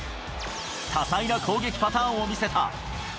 多彩な攻撃パターンを見せた。